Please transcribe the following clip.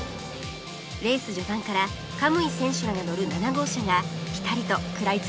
レース序盤から可夢偉選手らが乗る７号車がピタリと食らいつきます